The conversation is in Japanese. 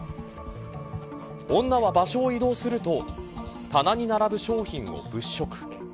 女は場所を移動すると棚に並ぶ商品を物色。